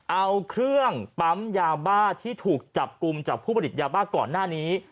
เอาเครื่องปั๊มยาบ้าที่ถูกจับกลุ่มจากผู้ผลิตยาบ้าก่อนหน้านี้